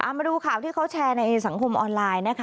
มาดูข่าวที่เขาแชร์ในสังคมออนไลน์นะคะ